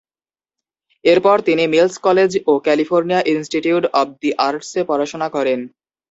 এরপর তিনি Mills College ও ক্যালিফোর্নিয়া ইনস্টিটিউট অব দি আর্টসে পড়াশোনা করেন।